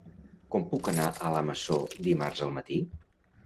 Com puc anar a la Masó dimarts al matí?